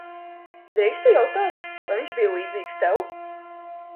Drīkstu jautāt, vai viņš bija līdzīgs tev?